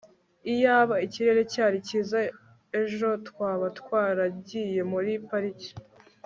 iyaba ikirere cyari cyiza ejo, twaba twaragiye muri pariki